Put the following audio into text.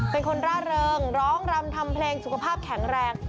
เป็นคนร่าเริงร้องรำทำเพลงสุขภาพแข็งแรง